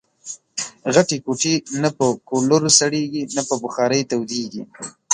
غټي کوټې نه په کولرسړېږي ، نه په بخارۍ تودېږي